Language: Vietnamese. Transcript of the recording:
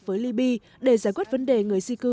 với libya để giải quyết vấn đề người di cư